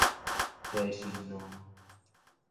茶心卵